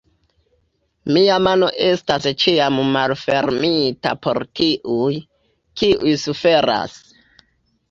Mia mano estas ĉiam malfermita por tiuj, kiuj suferas!